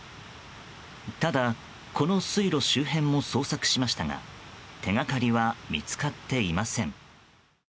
ただ、この水路周辺も捜索しましたが手掛かりは見つかっていません。